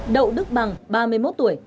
đậu đức bằng ba mươi một tuổi